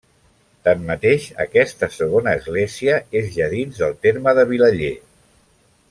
Tanmateix, aquesta segona església és ja dins del terme de Vilaller.